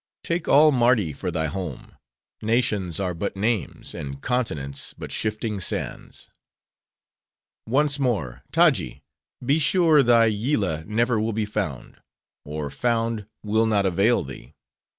Take all Mardi for thy home. Nations are but names; and continents but shifting sands. "Once more: Taji! be sure thy Yillah never will be found; or found, will not avail thee.